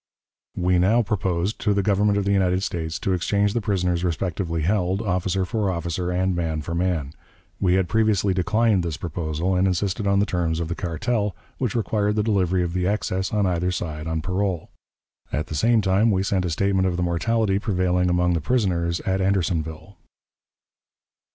We now proposed to the Government of the United States to exchange the prisoners respectively held, officer for officer and man for man. We had previously declined this proposal, and insisted on the terms of the cartel, which required the delivery of the excess on either side on parole. At the same time we sent a statement of the mortality prevailing among the prisoners at Andersonville.